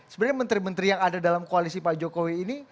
sebenarnya menteri menteri yang ada dalam koalisi pak jokowi ini